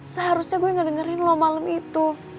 seharusnya gue gak dengerin lo malam itu